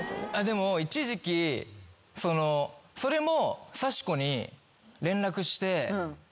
でも一時期それも。